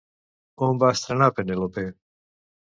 On va estrenar Penélope?